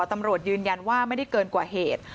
ตำรวจยืนยันว่าไม่ได้เกินกว่าเหตุ